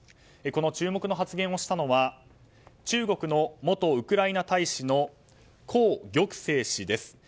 この注目の発言をしたのは中国の元ウクライナ大使のコウ・ギョクセイ氏です。